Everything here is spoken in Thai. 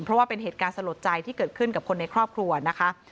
เพราะว่าเป็นเหตุการณ์สลดใจที่เกิดขึ้นกับคนในครอบครัวนะคะ